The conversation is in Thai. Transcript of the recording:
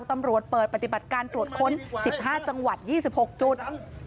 ตำรวจเปิดปฏิบัติการตรวจค้น๑๕จังหวัด๒๖จุด